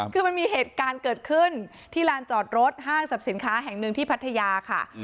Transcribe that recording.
คือมันมีเหตุการณ์เกิดขึ้นที่ลานจอดรถห้างสรรพสินค้าแห่งหนึ่งที่พัทยาค่ะ